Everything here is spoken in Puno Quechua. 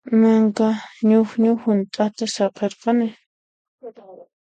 Manka ñuqñu hunt'ata saqirqani.